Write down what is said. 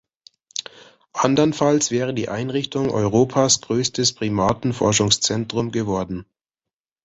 Andernfalls wäre die Einrichtung Europas größtes Primatenforschungszentrum geworden.